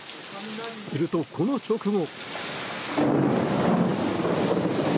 すると、この直後。